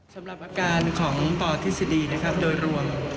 สำหรับอาการของปทฤษฎีนะครับโดยรวม